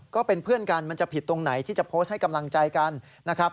ก็เป็นเพื่อนกันมันจะผิดตรงไหนที่จะโพสต์ให้กำลังใจกันนะครับ